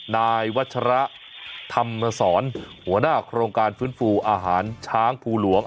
นายวัชระธรรมสอนหัวหน้าโครงการฟื้นฟูอาหารช้างภูหลวง